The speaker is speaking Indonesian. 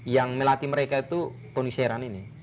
yang melatih mereka itu tony sheeran ini